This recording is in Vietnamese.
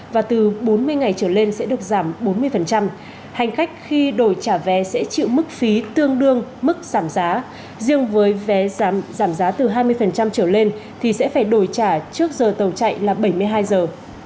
và từ bốn mươi ngày trở lên sẽ được giảm bốn mươi hành khách khi đổi trả vé sẽ chịu mức phí tương đương mức giảm giá riêng với vé giảm giá từ hai mươi trở lên thì sẽ phải đổi trả trước giờ tàu chạy là bảy mươi hai giờ